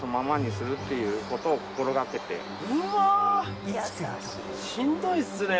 うわしんどいっすね。